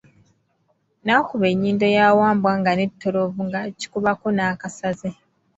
N'akuba ennyindo ya Wambwa nga nettolovu n'agikubako n'akasaze.